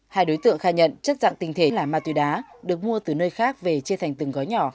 hai đối tượng khai nhận chất dạng tinh thể là ma túy đá được mua từ nơi khác về chia thành từng gói nhỏ